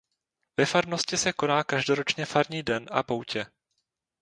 Ve farnosti se koná každoročně farní den a poutě.